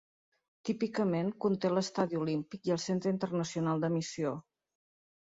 Típicament conté l'Estadi Olímpic i el centre internacional d'emissió.